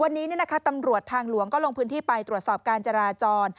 วันนี้ตำรวจทางหลวงก็ลงพื้นที่ไปตรวจสอบการจราจร